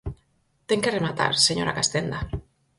Ten que rematar, señora Castenda.